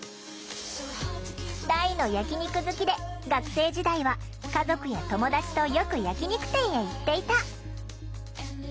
大の焼き肉好きで学生時代は家族や友だちとよく焼き肉店へ行っていた。